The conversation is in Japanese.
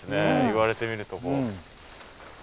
言われてみると。